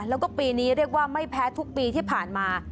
แล้วก็ปีนี้เรียกว่าไม่แพ้ทุกปีที่ผ่านมา